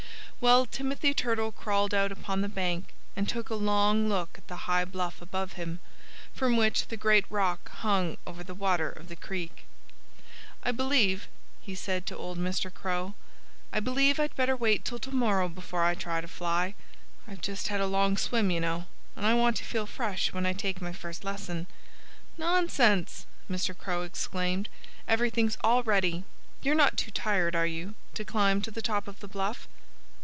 Well, Timothy Turtle crawled out upon the bank and took a long look at the high bluff above him, from which the great rock hung over the water of the creek. "I believe " he said to old Mr. Crow "I believe I'd better wait till to morrow before I try to fly. I've just had a long swim, you know. And I want to feel fresh when I take my first lesson." "Nonsense!" Mr. Crow exclaimed. "Everything's all ready. You're not too tired, are you, to climb to the top of the bluff?"